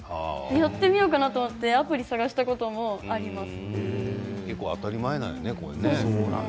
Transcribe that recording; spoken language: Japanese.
やってみようかなと思ってアプリを探したこともあります。